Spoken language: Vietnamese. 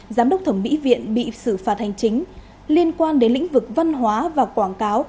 giám đốc thẩm mỹ viện bị xử phạt hành chính liên quan đến lĩnh vực văn hóa và quảng cáo